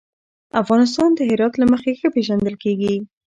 افغانستان د هرات له مخې ښه پېژندل کېږي.